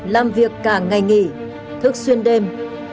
làm việc cả ngày nghỉ thức xuyên đêm